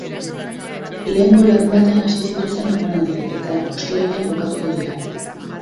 Lehengo larunbatean hasi zituzten emanaldiak eta ostiralean bukatuko dira.